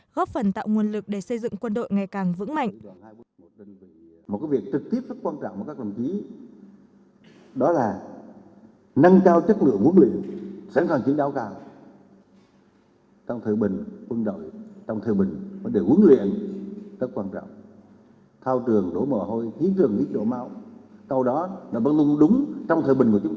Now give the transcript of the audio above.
góp phần tạo nguồn lực để xây dựng quân đội ngày càng vững mạnh